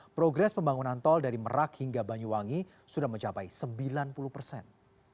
progres pembangunan tol dari merak hingga banyuwangi sudah mencapai sembilan puluh persen